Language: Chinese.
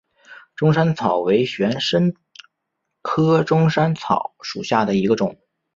钟山草为玄参科钟山草属下的一个种。